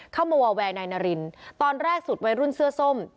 วอลแวร์นายนารินตอนแรกสุดวัยรุ่นเสื้อส้ม